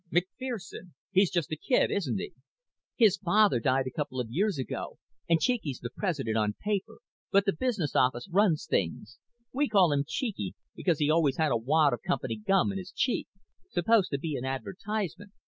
"McFerson? He's just a kid, isn't he?" "His father died a couple of years ago and Cheeky's the president on paper, but the business office runs things. We call him Cheeky because he always had a wad of company gum in his cheek. Supposed to be an advertisement.